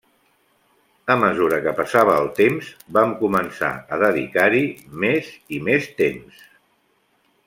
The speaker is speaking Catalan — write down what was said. A mesura que passava el temps, vam començar a dedicar-hi més i més temps.